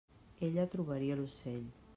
Ella trobaria l'ocell.